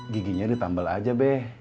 giginya ditambel aja be